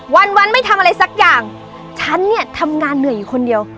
วันวันไม่ทำอะไรสักอย่างฉันเนี่ยทำงานเหนื่อยอยู่คนเดียว